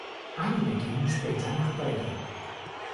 Einige gingen später nach Belgien.